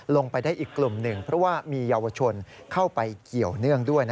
ลงไปได้อีกกลุ่มหนึ่งเพราะว่ามีเยาวชนเข้าไปเกี่ยวเนื่องด้วย